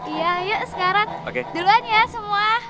iya yuk sekarang duluan ya semua